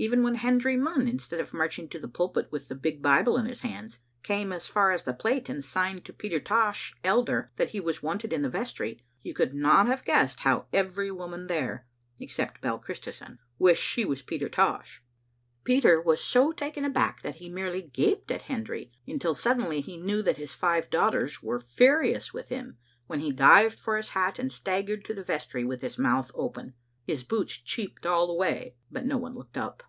Even when Hendry Munn, instead of marching to the pulpit with the big Bible in his hands, came as far as the plate and signed to Peter Tosh, elder, that he was wanted in the vestry, you could not have guessed how every woman there, except Bell Christison, wished she was Peter Tosh. Peter was so taken aback that he merely gaped at Hendry, until suddenly he knew that his five daughters Digitized by VjOOQ IC Vbe Ssccting tor 'Radu dS8 were furious with him, when he dived for his hat and staggered to the vestry with his mouth open. His boots cheeped all the way, but no one looked up.